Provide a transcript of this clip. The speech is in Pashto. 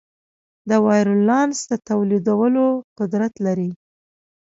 د وایرولانس د تولیدولو قدرت لري.